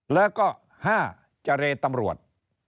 แล้วก็๕เจรตำรวจ